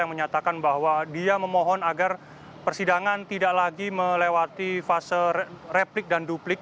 yang menyatakan bahwa dia memohon agar persidangan tidak lagi melewati fase replik dan duplik